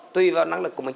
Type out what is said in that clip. tùy vào năng lực của mình